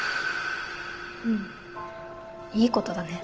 うんいいことだね。